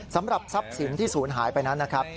สำหรับทรัพย์สินที่ศูนย์หายไปนั้นนะครับ